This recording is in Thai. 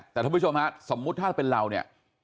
แต่ท่านผู้ชมฮะสมมุติถ้าเป็นเราเนี่ย